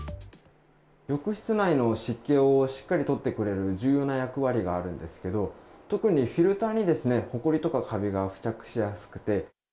よく室内の湿気をしっかり取ってくれる重要な役割があるんですけど、特にフィルターにほこりとかかびが付着しやすくて。